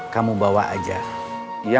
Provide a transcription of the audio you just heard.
kamu bawa ke dokter